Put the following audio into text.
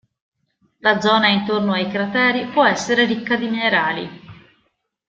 La zona intorno ai crateri può essere ricca di minerali.